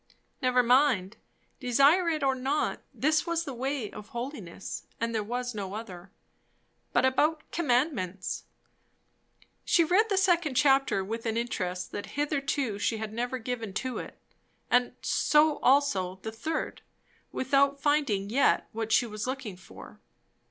Never mind; desire it or not, this was the "way of holiness," and there was no other. But about commandments? She read the second chapter with an interest that hitherto she had never given to it; so also the third, without finding yet what she was looking for.